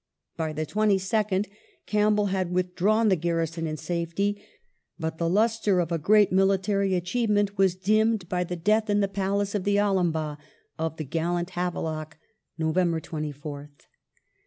By the 22nd Campbell had withdrawn the garrison in safety, but the lustre of a great military achievement was dimmed by the death in the Palace of the Alambagh of the gallant Havelock (Nov. 24th).